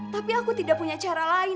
tapi aku tidak punya cara lain